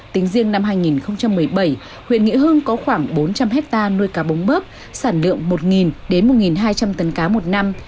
tính riêng năm hai nghìn một mươi bảy huyện nghĩa hưng có khoảng bốn trăm linh hectare nuôi cá bống bớp sản lượng một đến một hai trăm linh tấn cá một năm